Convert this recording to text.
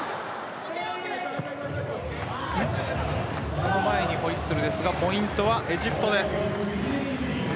その前にホイッスルですがポイントはエジプトです。